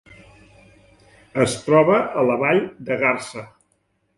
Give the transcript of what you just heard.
Es troba a la vall de Garza.